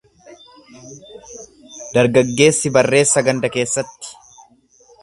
Dargaggeessi barreessa ganda keessatti.